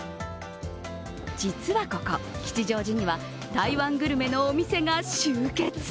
実は、ここ吉祥寺には台湾グルメのお店が集結。